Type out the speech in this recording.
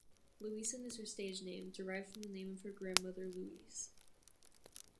Louisan is her stage name, derived from the name of her grandmother, Louise.